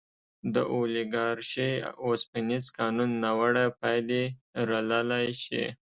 د اولیګارشۍ اوسپنیز قانون ناوړه پایلې لرلی شي.